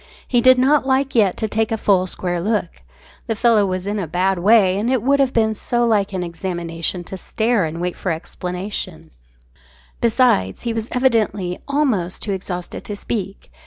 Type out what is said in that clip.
He did not like yet to take a full square look. The fellow was in a bad way, and it would have been so like an examination to stare and wait for explanations. Besides, he was evidently almost too exhausted to speak.